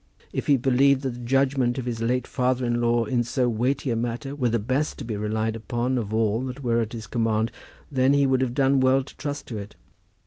If he believed that the judgment of his late father in law in so weighty a matter were the best to be relied upon of all that were at his command, then he would have done well to trust to it.